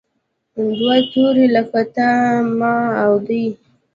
دوه توري لکه تا، ما او دی.